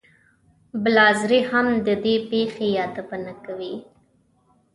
بلاذري هم د دې پېښې یادونه کوي.